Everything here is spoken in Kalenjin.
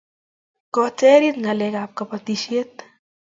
koterit ngalek ab kabatishiet